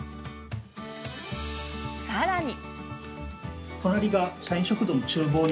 さらに。